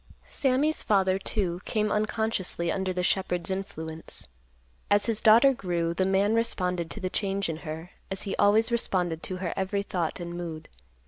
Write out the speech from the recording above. Sammy's father, too, came unconsciously under the shepherd's influence. As his daughter grew, the man responded to the change in her, as he always responded to her every thought and mood.